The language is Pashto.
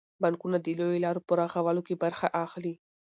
بانکونه د لویو لارو په رغولو کې برخه اخلي.